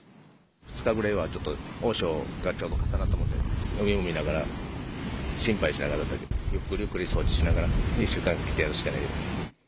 ２日ぐらいは大潮がちょうど重なったもんで、海を見ながら心配しながらだったけど、ゆっくりゆっくり掃除しながら、１週間ぐらいかけてやるしかない。